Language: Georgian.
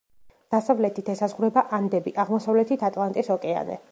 დასავლეთით ესაზღვრება ანდები, აღმოსავლეთით ატლანტის ოკეანე.